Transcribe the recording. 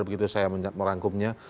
begitu saya merangkumnya